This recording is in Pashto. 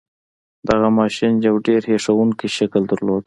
دغه ماشين يو ډېر هیښوونکی شکل درلود.